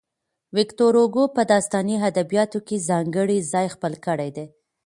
ويکټور هوګو په داستاني ادبياتو کې ځانګړی ځای خپل کړی دی.